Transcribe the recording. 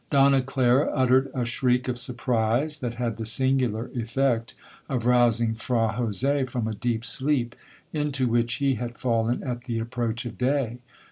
Donna Clara uttered a shriek of surprise, that had the singular effect of rousing Fra Jose from a deep sleep into which he had fallen at the approach of day.